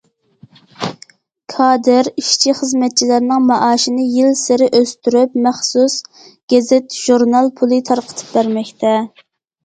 كادىر، ئىشچى- خىزمەتچىلەرنىڭ مائاشىنى يىلسېرى ئۆستۈرۈپ، مەخسۇس گېزىت- ژۇرنال پۇلى تارقىتىپ بەرمەكتە.